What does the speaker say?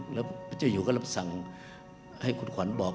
แล้วพระเจ้าอยู่ก็รับสั่งให้คุณขวัญบอก